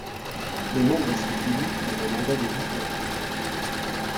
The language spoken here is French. Les membres sont élus pour un mandat de huit ans.